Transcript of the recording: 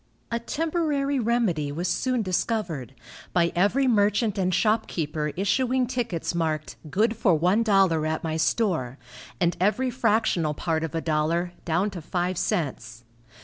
A temporary remedy was soon discovered, by every merchant and shopkeeper issuing tickets marked "Good for one dollar at my store," and every fractional part of a dollar, down to five cents.